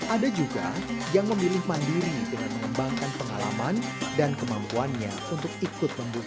ada juga yang memilih mandiri dengan mengembangkan pengalaman dan kemampuannya untuk ikut membuka